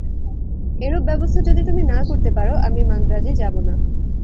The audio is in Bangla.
এরূপ ব্যবস্থা যদি তুমি না করতে পার, আমি মান্দ্রাজে যাব না।